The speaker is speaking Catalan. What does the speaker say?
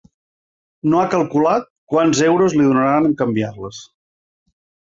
No ha calculat quants euros li donaran en canviar-les.